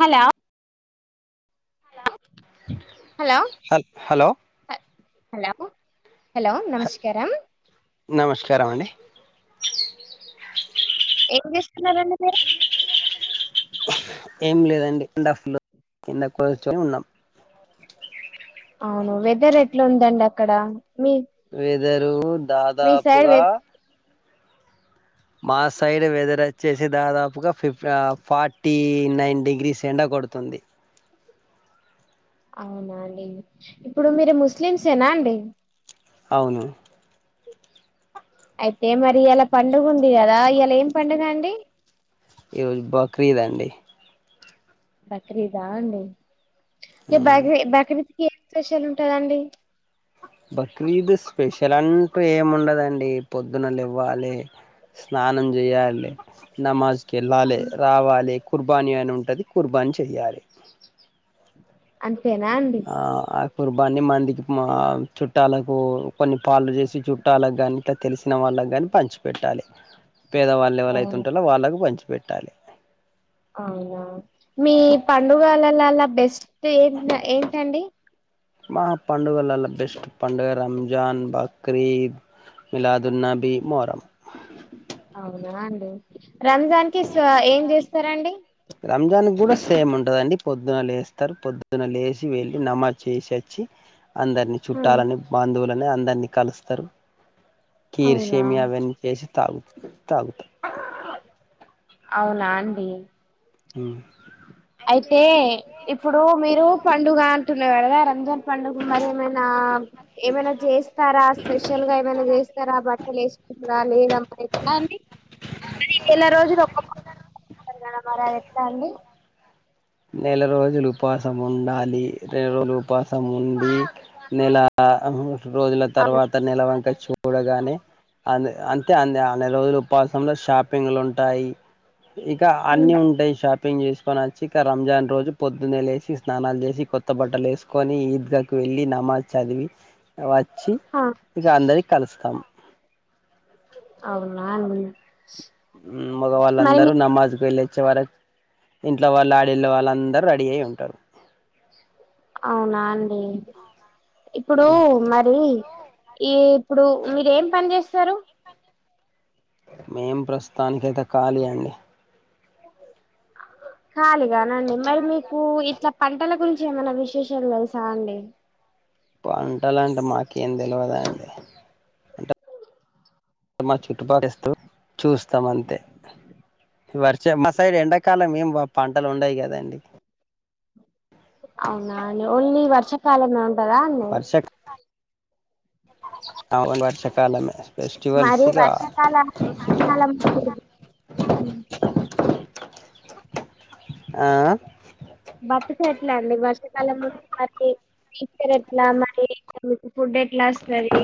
Hello hello hello హ hello hello నమస్కారం నమస్కారం అండి ఏం చేస్తున్నారండి మీరు ఏం లేదండి ఎండ్అఫ్ కింద కూర్చొని ఉన్నాం అవును వెదర్ ఎట్లా ఉందండి అక్కడ మీ దరు మీ సైడ్ వె దాదాపుగా మా సైడ్ వెదర్ వచ్చేసి దాదాపుగా ఫిఫ ఫార్టీ నైన్ డిగ్రీస్ ఎండ కొడుతుంది అవునండి ఇప్పుడు మీరు ముస్లిమ్సేనా అండి అవును అయితే మరి ఇయ్యాల పండుగ ఉంది కదా ఇయ్యాల ఏం పండగ అండి ఈ రోజు బక్రీదండి బక్రీదా అండి బక్రీద్ బక్రీద్ ఏం స్పెషల్ ఉంటదండి బక్రీద్ స్పెషల్ అంటూ ఏముండదండి పొద్దునలెవ్వాలే స్నానం చేయలే నమాజ కెల్లలే రావాలే కుర్బానీ అని ఉంటది కుర్బానీ చెయ్యాలి అదె తేనండి ఆ ఆ కుర్బాన్ని మందికి చుట్టాలకు కొన్ని పాలు చేసి చుట్టాలకు కాని ఇట్లా తెలిసిన వాళ్ళకి కాని పంచిపెట్టాలి పేదవాళ్ళ ఎవలైతే అవును ఉంటారో వాళ్ళకు పంచి పెట్టాలి అవునా మీ పండుగలలలా బెస్ట్ ఏ ఏంటండి మహాపండుగలలా బెస్ట్ పండుగ రంజాన్ బకరీద్ మి లాదున్నబీ మొహరమ్ అవును అండి రంజాన్ కి స్వ ఏం చేస్తారండి రంజాన్ కూడా సేమ్ ఉంటదండి పొద్దున లేస్తారు పొద్దున లేసి వెళ్ళి నమాజ్ చేసి వచ్చి అందరిని చుట్టాలని బాంధువులు అందరినీ కలుస్తారు అవునా కీర్షేమి అవన్నీ చేసి తాగు తాగుతా అవునా అండి ఆ అయితే ఇప్పుడు మీరు పండుగ అంటున్నారు కదా రంజన్ పండుగ మరి ఏమైనా ఏమైనా చేస్తారా స్పెషల్ గా ఏమైనా చేస్తారా బట్టలు వేసుకుారా లేదా మరి ఇలా మ నెల రోజులు ఒ కదా మరి అ నన్నిీ నెల రోజులు ఉపాసం ఉండాలి రెండు రోజులు ఉపాసం ఉండి నెల రోజుల ఆ తర్వాత నిలవంక చూడగానే అ అంటే అన్ని అన్ని రోజులు ఉపాసంలో షాపింగ్లు ఉంటాయి ఇక ఉమ్, అన్ని ఉంటాయి షాప్ షాపింగ్ చేసుకొని వచ్చి ఇంట్లా రంజాన్ రోజు పొద్దున్న లేసి స్నానాలు చేసి కొత్త బట్టలు వేసుకొని ఈద్గాకి వెళ్ళి నమాజ్ చదివి వాచ్చి ఆ, అందార కలుస్తాం అవునా ఉ మగవాళ్ళ అందరుూ నమాజ్కుళ్ళచ్చే వరకు ఇంట్లో వాళ్ళు ఆడేళ్ళ వాళ్ళ అందరుూ రెడీ అయి ఉంటారు అవునా అండి ఇప్పుడు మరి ఈ ఇప్పుడు మీర ఏం పని చేస్తారు మేం ప్రస్తుతానికయితే ఖాళీ అండి ఖాళీగానండి. మరి మీకు ఇట్లా పంటల గురించి ఏమైనా విశేషాలు తెలుసా అండి. పంటాలంటే మాకు ఏం తెలివాదా అండి. మా చుట్టుపక్కస్తూ చూస్తాం. అంతే వర్షం మా సైడ్ ఎండాకాలం ఏం పంటలు ఉండయి కదండి. అవునా ఓన్లీ వర్షమ్ కాలమే [unintelligible] కదా అండీ అవును వర్షకాలమే మది వర్షాకాలం [unintelligible] ఆ భట్ చెట్ల ఆర్ మీ వర్షకాలం ముందు మరీ నేచర్ ఎట్లా మరీ ఫుడ్ ఎట్లా వస్తంది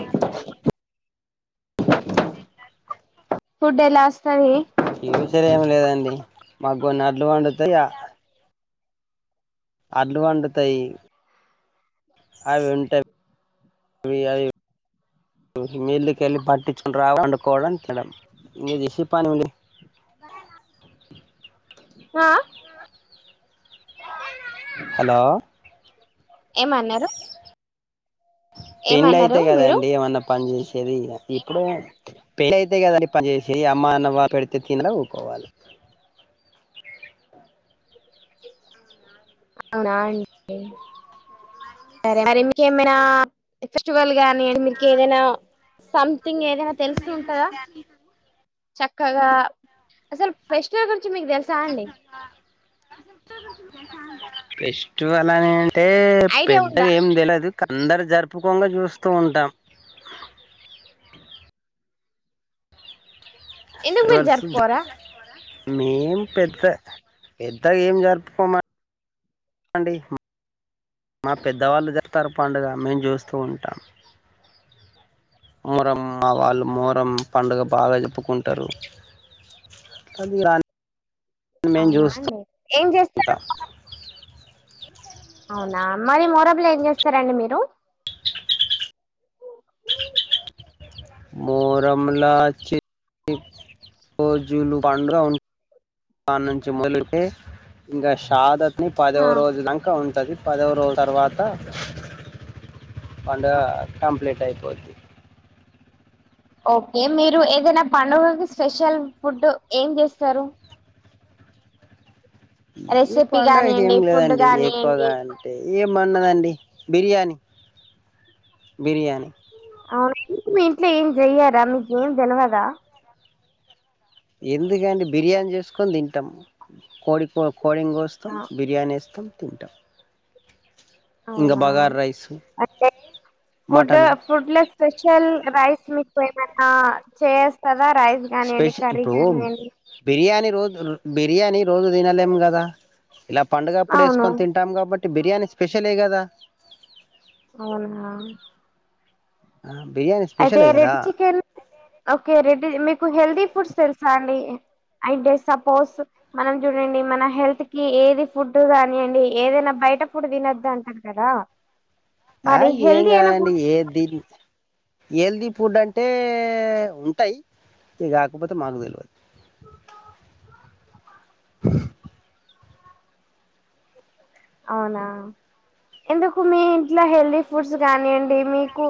ఫుడ్ ఎలా వస్తది నేచర్ ఏమి లేదండి. మాకు కొన్ని అడ్లు పండుతాయ్ అడ్లు పండుతాయ్ అవి ఉంటావి. అవి మిల్లుకెళ్ళి పట్టించుకొని రావడం పండుకోవడం [unintelligible] మీది ఇషి పని ఉంది ర ఆ హలో ఏమ్ న్నారు పెండ్లి అయితే మీరు కదండి. వాళ్ళ పని చేశే ఇప్పుడు పెళ్ళి అయితే కదండి. పని చేషి అమ్మ అన్న అవ్వ పెడితే తిన ఊకోవాలి. అవునా అండి. సరే మరి మీకేమైనా ఫెస్టివల్ గాని ఏదైనా సంథింగ్ ఏదయినా తెలుసు ఉంటందా చేప్ కదా అస్సల్ ఫెస్టివల్ గురించి మీకు తెల్సా అండి. ఫెస్టివల్ లనే అంటే ఐడియా ఉందా పెద్దగా ఏం తెలదు. అందరు జరుపుకోంగా చూస్తూ ఉంటాం. ఎందుకు మీరు జరూపుకోరా మేము పెద్ద పెద్దగా ఏం జరుపుకోమండి. మా పెద్దవాళ్ళు చెత్తరు పండుగ మేము చూస్తూ ఉంటాం. మరమ్మ వాళ్ళు మొరం పండుగ బాగా చెప్పుకుంటారు. అవునాండి ఏం చేస్తరు ఉంటాం అవునా మరి మొరబ్ లో ఏం చేస్తారండి. మీరు మోరంల చి కోజులు పండుగ ఆ నుంచి మొదలు పెడితే, ఇంకా షాదత్ ని పదవ ఆ రోజు దాంక ఉ అంది పదవ రోజుల తర్వాత పండగ కంప్లీట్ అయిపోద్ది. ఓకే మీరు ఏదైనా పండుగకి, స్పెషల్ ఫుడ్ ఏం చేస్తారు. ఈ రెసిపీ పండుగకి ఏం కానియండి ఫుడ్ లేదండి. కానియండి ఎక్కువగా అంటే ఏం వండదండి బిర్యానీ. బిర్యాన్ అవును మీ ఇంట్లో ఏం చెయ్యారా మీకు ఏం తెలివదా ఎందుకండి బిర్యానీ చేసుకొని తింటాం కోడిపో కోడిని కోస్తాం ఆ బిర్యానీ చేస్తాం తింటాం ఇంకా అవునా బగార్ రైస్ అంటే ఫుడ్ మటను ఫుడ్ లో స్పెషల్ రైస్ మీకు ఇంకా చేస్తదా రైస్ కానియండి స్పెషల్ కర్రీ ఇప్పుడు కానియండి బిర్యానీ రోజు బిర్యానీ రోజు తినలేం కదా ఇలా పండుగప్పుడు అవును వేసుకొని తింటాం కాబట్టి అంటే బిర్యానీ స్పెషలే కదా అవునా ఆ బిర్యానీ అయితే స్పెషలే కదా red chicken okay red meat healthy foods తెలుసా అండి అంటే, సపోజ్ మనం చూడండి. మన హెల్త్ కి ఏది ఫుడ్ కానియండి. ఏదైనా బయట ఫుడ్ తినద్దు అంటారు కదా. ఆ మరి ఏం హెల్దీ అయిన కాదండి ఫుడ్ ఏది హెల్తీ ఫుడ్ అంటే ఉంటాయ్. ఇది కాకపోతే మాకు తెలియదు [unintelligible] అవునా ఎందుకు మీ ఇంట్లో హెల్దీ ఫుడ్స్ కనియ్యండి మీకు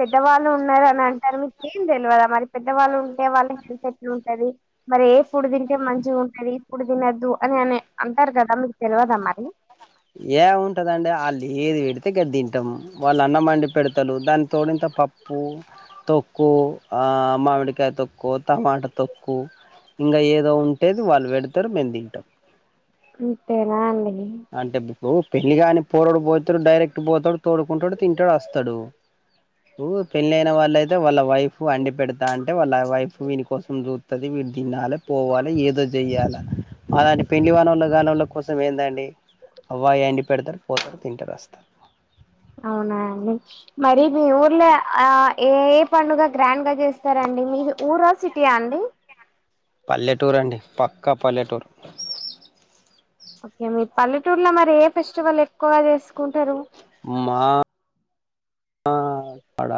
పెద్దవాళ్ళు ఉన్నారు అని అంటారు. అంటే మీకు ఏం తెలియదా. మరి పెద్దవాళ్ళు ఉంటే వాళ్ళ హెల్త్ ఎట్లా ఉంటది మరి. ఏ ఫుడ్ తింటే మంచిగా ఉంటది. ఫుడ్ తినద్దు అని అట్లనే అంటారు కదా మీకు తెలివదా అది ఏం ఉంటదిదండి. వాళ్ళు ఏది పెడితే గది తింటాం. వాళ్ళు అన్నం వండి పెడుతారు. దానితోని ఇంత పప్పు, తొక్కు, మామిడికాయ తొక్కు, టమాటా తొక్కు, ఇంకా ఏదో ఉంటేది వాళ్ళు పెడతారు. మేము తింటాం. అంతేనా అండి అంటే ఊ పెళ్లి కానీ పోరడు పోతాడు. డైరెక్ట్ పోతాడు తోడుకుంటాడు. తింటడు వస్తడు. ఊ పెళ్ళి అయిన వాళ్ళయితే వాళ్ళ వైఫ్ అండి పెడతా అంటే, వాళ్ళ వైఫ్ వీని కోసం చూస్తదీ. వీని తినాల పోవాల ఏదో చెయాల మాలాంటి పెళ్ళి గన్నోళ్ల కోసం ఏందండి అవ్వ అయ్యా ఒండి పెడతారు పోతారు తింటారు వస్తారు అవునా అండి మరి మీ ఊర్లో ఏ ఏ పండుగ గ్రాండ్ గా చేస్తారండి. మీది ఊరా సిటీయా అండి. పల్లెటూరు అండి పక్కా పల్లెటూరు ఓకే మీ పల్లెటూర్లో మరి ఏ ఫెస్టివల్ ఎక్కువగా చేసుకుంటారు. ఆ పడ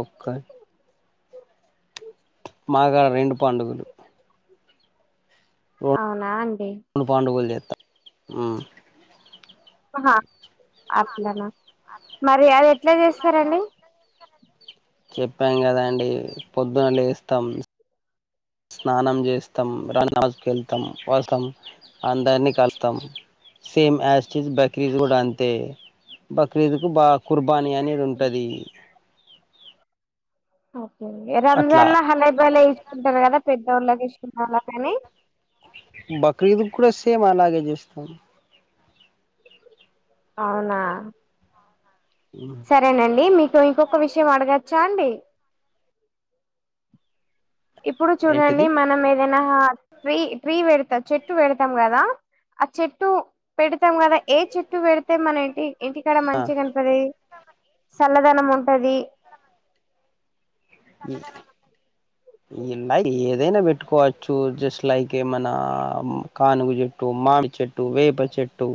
ఒక్క మాగాడ రెండు పండుగలు అవునా అండి ఉ హా హా మరి అది మరైతే ఎట్లా చేస్తారండి మరైతే చెప్పాం కదండి పొద్దున లేస్తాం స్నానం చేస్తాం నమాజ్కి వెళ్తాం వస్తాం అందరినీ కలుస్తాం సేమ్ యాసిటిజ్ బక్రీద్ కూడా అంతే బక్రీద్కు బాగా కుర్ పని అనేది ఉంటది ఓక్ అట్లా రంజాన్ లో హలైబలే వేసుకుంటారు కదా పెద్దోళ్ళకి చిన్నోళ్ళకి అని బక్రీదు కూడా సేమ్ అలాగే చేస్తాం. అవునా సరేనండి మీకు ఇంకొక విషయం అడగచ్ చ్చాండి. ఇప్పుడు చూడండి ఏంటిది మనం ఏదైనా హా ట్రీ ట్రీ వెడు త చెట్టు పెడతాం కదా ఆ చెట్టు పెడతాం కదా ఏ చెట్టు పెడితే మన ఇంటి ఇంటికాడ ఆ మంచి గనపడి చల్లదనం ఉంటది. ఇల్ల ఏదైనా పెట్టుకోవచ్చు జస్ట్ లైక్ ఏమన్న కానుగ చెట్టు మామిడి చెట్టు వేప చెట్టు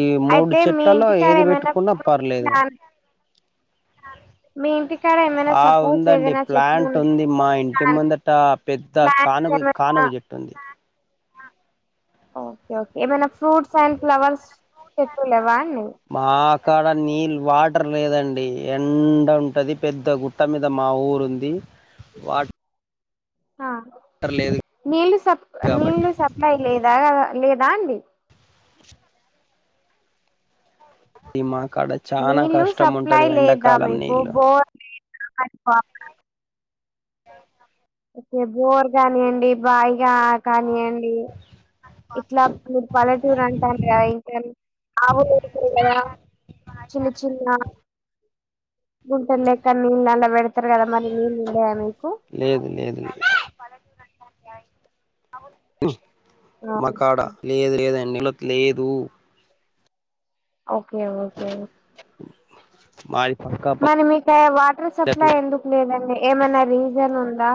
ఈ మూడు అయితే మీ చెట్లలో ఇంటికాడ ఏది ఏమైనా పెట్టుకున్నా ఫ్రూట్ పర్లేదు ప్లాన్ మీ ఇంటికాడ ఏమైనా ఆ సపోజ్ ఉందండి ఏదైనా చెట్లు ప్లాంట్ ఉన్నాయి, ఉంది మా ఇంటి ముందట పెద్ద ప్లాంట్స్ కానుగ కానుగ ఏమైనా చెట్టు ఉంది. ఓకే ఓకే ఏమన్న ఫ్రూట్స్ అండ్ ఫ్లవర్స్ చేట్లు లేెవా మాక్ ఇంటి కాడ నీళ్ళు వాటర్ లేదండి ఎండ ఉంటది పెద్ద గుట్ట మీద మా ఊరు ఉంది వాట ఆ నీళ్ళ సప్ కాబట్టి నీళ్ళు సప్లై లేదా లేదా అండి. దిమాగ నీళ్ళు సప్లై లేదా మీకు నీళ్ళు బోర్ నీళ్ళు అప్లై ఓకే బోర్ కానియండి బాయిగా కానియండి. ఇట్లా మీరు పల్లెటూరు అంటనుండ్రు కద ఇంకా ఆవులు ఉంటాయి కద చిన్న చిన్న గుంతలెక్క నీళ్ళు అలా పెడతారు కదా మరి నీళ్ళు ఉండయా మీకు అవును ఆ మకాడ లేదు లేద్ అన్ నిల్లక్ లేదు ఓకే ఓకే ఓ బాయ్ మనీ మీకే వాటర్ సప్లై ఎందుకు లేదండి. ఏమన్నా రీస్ జెను ఉందా.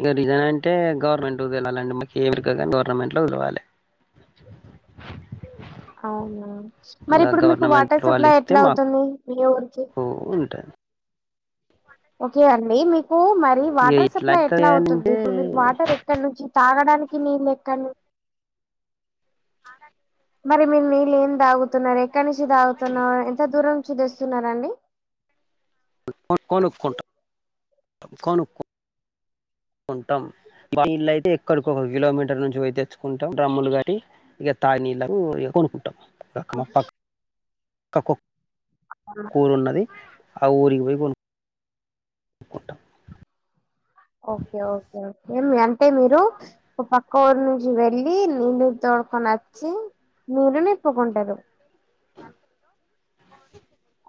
ఇగా రీజన్ అంటే గవర్నమెంటుకు తెలవాలండి. మాకు [unintelligible] గవర్నమెంట్ లో తేలవలే అవునా మరి ఇప్పుడు మీకు వాటర్ గవర్నమెంట్ వాళ్ళు సప్లై ఇస్తే ఎట్లా అవుతుంది. మీ ఊరికి మాకు ఉంటది ఓకే అండి మీక్ కూ మరి ఇగ వాటర్ సప్లై ఎట్లయితది ఎట్లా అవుతుంది. అంటే ఇప్పుడు మీరు వాటర్ ఎక్కడ నుంచి తాగడానికి నీళ్లు ఎక్కను మరి మీరు నీళ్లేం తాగుతున్నారే ఎక్కడనుంచి తాగుతున్నావే ఎంత దూరం. సూదేస్తున్నాను రండి. కొన్ కొనుక్కుంటా కొనుక్కో కుంటాం. బాల్ నీళ్ళయితే ఎక్కడికో ఒక కిలోమీటర్ నుంచి పోయి తెచ్చుకుంటాం. డ్రమ్ములు గట్టి ఇగా తాగే నీళ్ళకు ఇగ కొనుకుంటాం. రకమ పక్ కకుక్ కూరున్నది. ఆ ఊరికిపోయి కొను కుట్ట ఓకే ఓకే ఓకే ఏమి అంటే మీరు ఒక పక్క ఊరు నుంచి వెళ్ళి నీళ్ళు తోడుకొని అచ్చి నీళ్లు నింపుకుంటారు.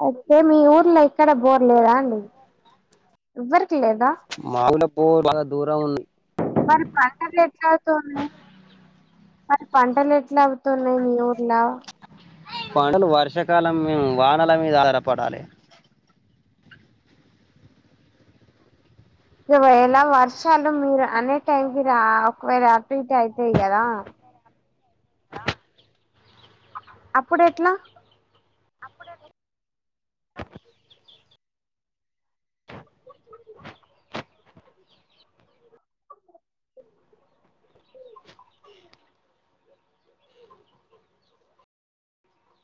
అయితే మీ ఊర్లో ఎక్కడ బోర్లేదా అండి ఎవ్వర్ కి లేదా. మా ఊర్లో బోర్ బాగా దూరం ఉంది మరి పంటలు ఎట్లావుతుంది. మరి పంటలు ఎట్లా తున్నాయ్. మీ ఊర్లా పంటలు వర్షాకాలం మేము వానల మీద ఆధారపడాలే ఇగా ఎలా వర్షాలు మీరు అనే టైంకిి రావ్ ఒకవేళ అటు ఇటు అయితాయి. కదా అప్పుడు ఎట్లా